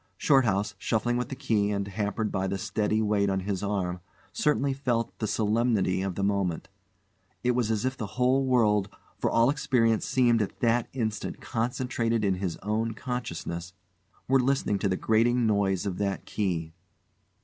Shorthouse, shuffling with the key and hampered by the steady weight on his arm, certainly felt the solemnity of the moment. It was as if the whole world for all experience seemed at that instant concentrated in his own consciousness were listening to the grating noise of that key.